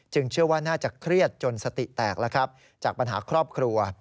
เชื่อว่าน่าจะเครียดจนสติแตกแล้วครับจากปัญหาครอบครัว